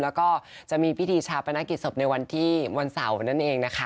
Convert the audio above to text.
แล้วก็จะมีพิธีชาปนกิจศพในวันที่วันเสาร์นั่นเองนะคะ